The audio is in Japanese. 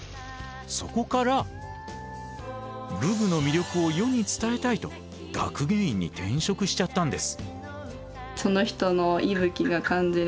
そこから武具の魅力を世に伝えたいと学芸員に転職しちゃったんです。